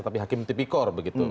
tapi hakim tipikor begitu